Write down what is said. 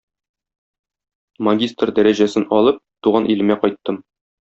Магистр дәрәҗәсен алып, туган илемә кайттым.